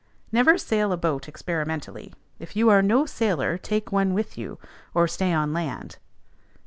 Never sail a boat experimentally: if you are no sailor, take one with you, or stay on land.